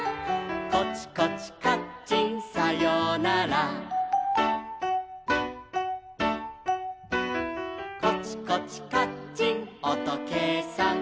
「コチコチカッチンさようなら」「コチコチカッチンおとけいさん」